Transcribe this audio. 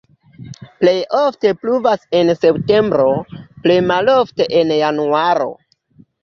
Plej ofte pluvas en septembro, plej malofte en januaro.